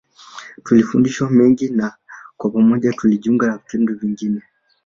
Tulifundishana mengi na kwa pamoja, tulijiunga na vikundi vyingine.